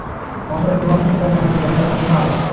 মহাসাগরের কোন অংশের সঙ্গে তার সংযোগ নেই বরং তা সম্পূর্ণ আলাদা।